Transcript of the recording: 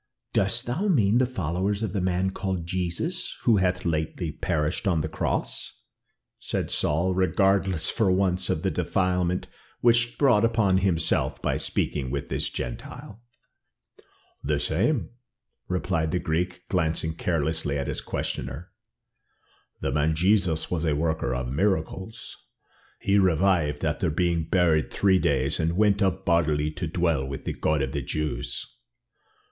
"Dost thou mean the followers of the man called Jesus, who hath lately perished on the cross?" said Saul, regardless for once of the defilement which he brought upon himself by speaking with this Gentile. "The same," replied the Greek, glancing carelessly at his questioner. "The man Jesus was a worker of miracles. He revived after being buried three days, and went up bodily to dwell with the God of the Jews."